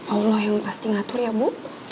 allah yang pasti ngatur ya bu